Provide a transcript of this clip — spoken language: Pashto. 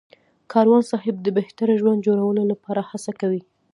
کاروان صاحب د بهتره ژوند جوړولو لپاره هڅه کوي.